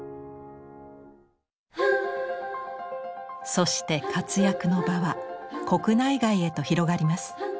そして活躍の場は国内外へと広がります。